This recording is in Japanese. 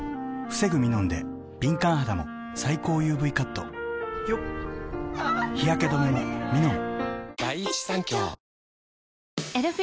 防ぐミノンで敏感肌も最高ＵＶカット日焼け止めもミノン！